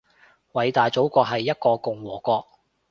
偉大祖國係一個共和國